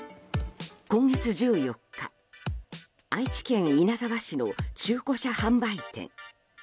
今月１４日愛知県稲沢市の中古車販売店。